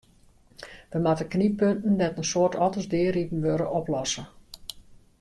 We moatte knyppunten dêr't in soad otters deariden wurde, oplosse.